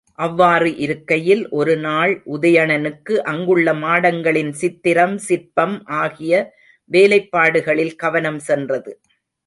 அவ்வாறு இருக்கையில் ஒருநாள் உதயணனுக்கு அங்குள்ள மாடங்களின் சித்திரம், சிற்பம் ஆகிய வேலைப்பாடுகளில் கவனம் சென்றது.